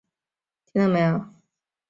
紫萼石头花为石竹科石头花属的植物。